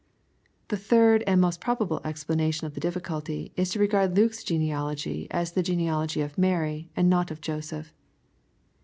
The third, and most probable explanation of the difficulty, is to regard Luke's genealogy as the genealogy of Mary, and not of Joseph.